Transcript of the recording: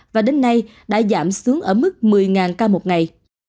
và đến nay đã giảm xuống ở mức một mươi ca một ngày